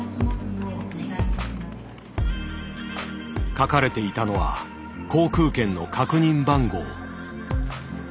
書かれていたのは航空券の確認番号。